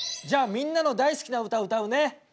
じゃあみんなの大好きな歌を歌うね。